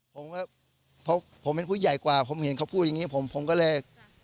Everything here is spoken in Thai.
ผมก็เพราะผมเป็นผู้ใหญ่กว่าผมเห็นเขาพูดอย่างนี้ผมผมก็เลย